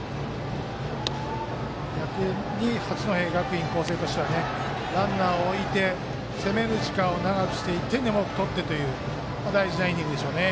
逆に八戸学院光星としてはランナーを置いて、攻める時間を長くして１点でも多く取ってという大事なイニングでしょうね。